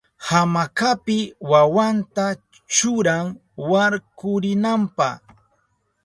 Hamakapi wawanta churan warkurinanpa.